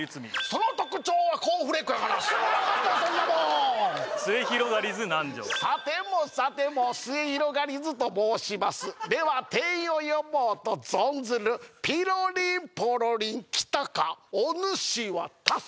その特徴はコーンフレークやがなすぐわかったわそんなもんすゑひろがりず南條さてもさてもすゑひろがりずと申しますでは店員を呼ぼうと存ずるピロリンポロリン来たかおぬしは誰そ？